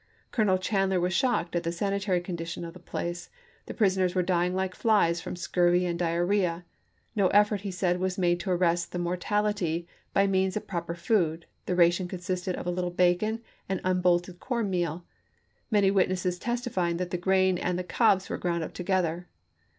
Colonel Chandler was shocked at the sanitary condition of the place ; the prisoners were dying like flies from scurvy and diarrhea; no effort, he said, was made to arrest the mortality by means of proper food ; the ration consisted of a little bacon and unbolted cornmeal, many witnesses testifying that the grain and the cobs were ground up together.